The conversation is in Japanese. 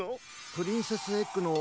プリンセスエッグの。